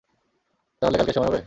তাহলে কালকে সময় হবে?